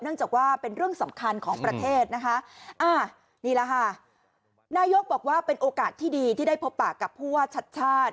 จากว่าเป็นเรื่องสำคัญของประเทศนะคะอ่านี่แหละค่ะนายกบอกว่าเป็นโอกาสที่ดีที่ได้พบปากกับผู้ว่าชัดชาติ